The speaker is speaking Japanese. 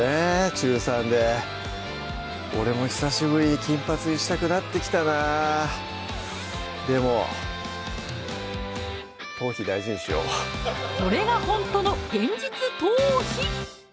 中３で俺も久しぶりに金髪にしたくなってきたなでもこれがほんとの現実トウヒ！